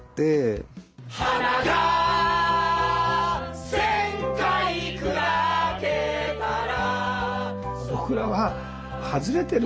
「花が千回砕けたら」